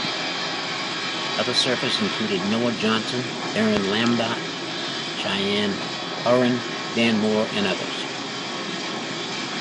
Other surfers included Noah Johnson, Aaron Lambert, Cheyne Horan, Dan Moore, and others.